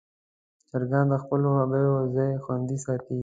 چرګان د خپلو هګیو ځای خوندي ساتي.